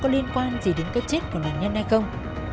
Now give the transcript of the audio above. có liên quan gì đến cái chết của nạn nhân hay không